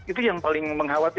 itu yang paling menghawat saya